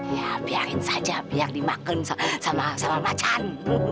iya biarin saja biar dimakan sama macan